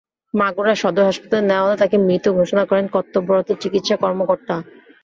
মাগুরা সদর হাসপাতালে নেওয়া হলে তাঁকে মৃত ঘোষণা করেন কর্তব্যরত চিকিৎসা কর্মকর্তা।